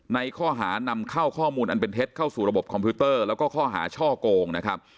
ในข้อหานำเข้าข้อมูลอันเป็นเท็จเข้าสู่ระบบคอมพิวเตอร์แล้วก็ข้อหาช่อโกงนะครับ